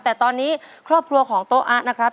แต่ตอนนี้ครอบครัวของโต๊ะอะนะครับ